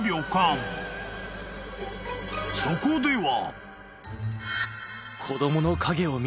［そこでは］